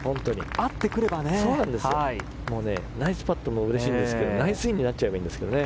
ナイスパットもうれしいんですがナイスインになっちゃえばいいんですけどね。